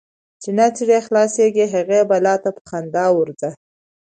چی نه ترې خلاصیږې، هغی بلا ته په خندا ورځه .